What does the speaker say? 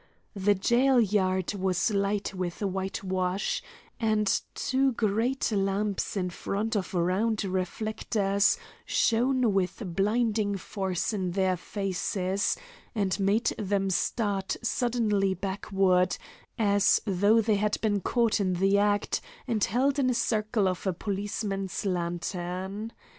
The jail yard was light with whitewash, and two great lamps in front of round reflectors shone with blinding force in their faces, and made them start suddenly backward, as though they had been caught in the act and held in the circle of a policeman's lantern.